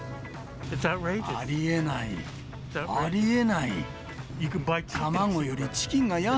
ありえない、ありえない。